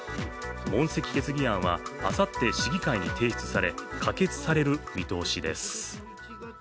問責決議案は、あさって市議会に提出され、可決される見通しです。